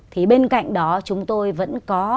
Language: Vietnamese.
thì bên cạnh đó chúng tôi vẫn có